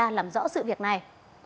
và làm rõ sự việc này